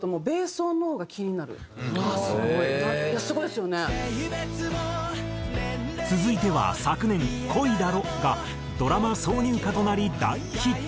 「性別も年齢も」続いては昨年『恋だろ』がドラマ挿入歌となり大ヒット！